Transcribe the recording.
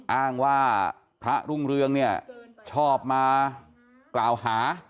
อ้างว่าพระรุ่งเรืองเนี่ยชอบมากล่าวหา